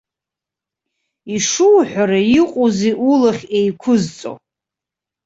Ишуҳәара, иҟоузеи улахь еиқәызҵо.